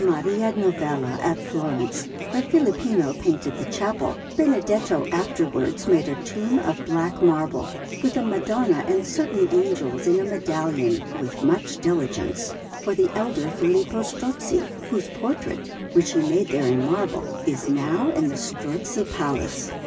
Maria Novella at Florence, where Filippino painted the chapel, Benedetto afterwards made a tomb of black marble, with a Madonna and certain angels in a medallion, with much diligence, for the elder Filippo Strozzi, whose portrait, which he made there in marble, is now in the Strozzi Palace.